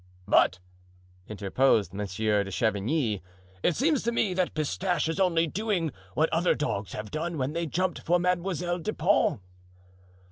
"But," interposed Monsieur de Chavigny, "it seems to me that Pistache is only doing what other dogs have done when they jumped for Mademoiselle de Pons."